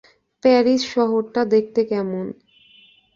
Paris শহরটা দেখতে কেমন?